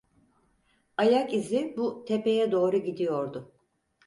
Ayak izi bu tepeye doğru gidiyordu.